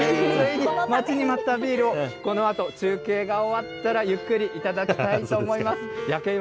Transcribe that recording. ついに待ちに待ったビールをこのあと、中継が終わったらゆっくり頂きたいと思います。